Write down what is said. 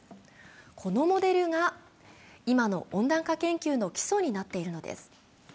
このモデルが今の温暖化研究の基礎になっているのです。